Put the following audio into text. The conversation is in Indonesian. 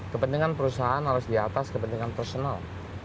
kepentingan perusahaan harus diatas kepentingan personal